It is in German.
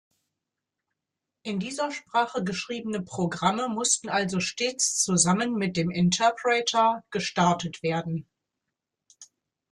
In dieser Sprache geschriebene Programme mussten also stets zusammen mit dem Interpreter gestartet werden.